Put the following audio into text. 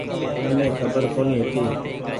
مني کبر ڪونيٚ هيتي ۔